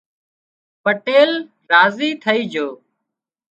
پٽيل راضي ٿئي جھو